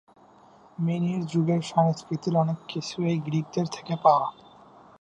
মিনীয় যুগের সংস্কৃতির অনেক কিছু এই গ্রিকদের থেকে পাওয়া।